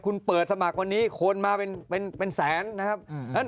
คุณเปิดสมัครวันนี้คนมาเป็นแสนนะครับ